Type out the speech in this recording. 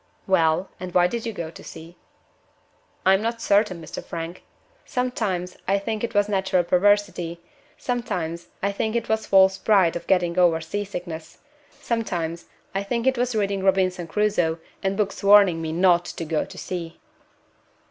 "Well, and why did you go to sea?" "I'm not certain, Mr. Frank. Sometimes I think it was natural perversity; sometimes I think it was false pride at getting over sea sickness; sometimes I think it was reading 'Robinson Crusoe,' and books warning of me not to go to sea."